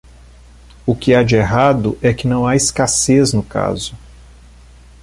O que há de errado é que não há escassez no caso.